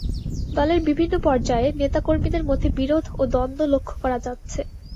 দলের বিভিন্ন পর্যায়ে নেতা কর্মীদের মধ্যে বিরোধ ও দ্বন্দ্ব লক্ষ করা যাচ্ছে।